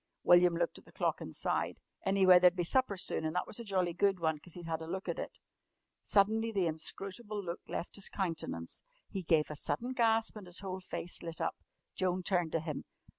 William looked at the clock and sighed. Anyway, there'd be supper soon, and that was a jolly good one, 'cause he'd had a look at it. Suddenly the inscrutable look left his countenance. He gave a sudden gasp and his whole face lit up. Joan turned to him.